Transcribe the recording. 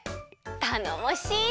たのもしい！